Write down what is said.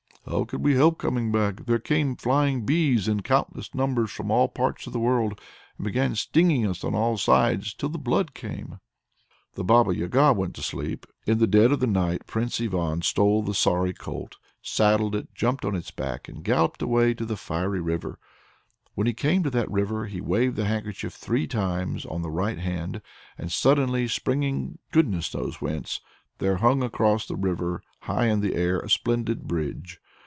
"How could we help coming back? There came flying bees in countless numbers from all parts of the world, and began stinging us on all sides till the blood came!" The Baba Yaga went to sleep. In the dead of the night Prince Ivan stole the sorry colt, saddled it, jumped on its back, and galloped away to the fiery river. When he came to that river he waved the handkerchief three times on the right hand, and suddenly, springing goodness knows whence, there hung across the river, high in the air, a splendid bridge.